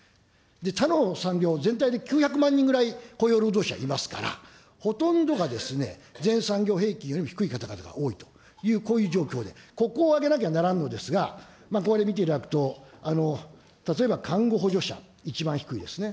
他の産業は、全体で９００万人ぐらい、雇用労働者いますから、ほとんどがですね、全産業平均よりも低い方々が多いと、こういう状況で、ここを上げなきゃならんのですが、こうやって見ていただくと、例えば看護補助者、一番低いですね。